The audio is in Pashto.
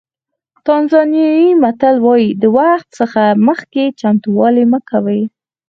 تانزانیایي متل وایي د وخت څخه مخکې چمتووالی مه کوئ.